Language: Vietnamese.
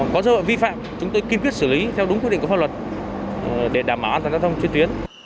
có dấu hiệu vi phạm chúng tôi kiên quyết xử lý theo đúng quy định của pháp luật để đảm bảo an toàn giao thông trên tuyến